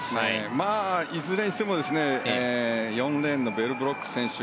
いずれにしても４レーンのベルブロック選手